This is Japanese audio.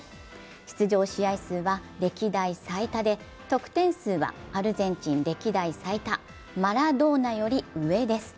出場試合数は歴代最多で得点数はアルゼンチン歴代最多、マラドーナより上です。